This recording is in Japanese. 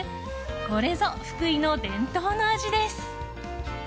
これぞ福井の伝統の味です。